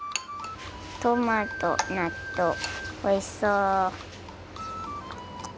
トマトなっとうおいしそう。